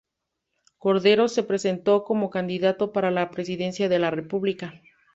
Cordero se presentó como candidato para la Presidencia de la República.